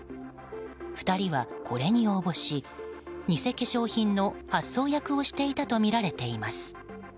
２人はこれに応募し偽化粧品の発送役をしていたとみられています。